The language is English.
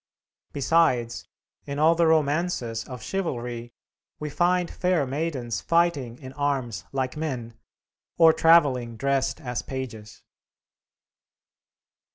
Besides, in all the romances of chivalry, we find fair maidens fighting in arms like men, or travelling dressed as pages.